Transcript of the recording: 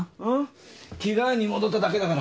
着替えに戻っただけだから。